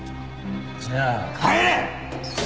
じゃあ帰れ！